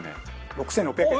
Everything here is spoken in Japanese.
６６００円。